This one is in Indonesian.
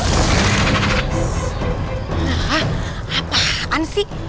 hah apaan sih